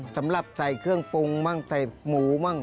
สำหรับใส่เครื่องปรุงมั่งใส่หมูมั่ง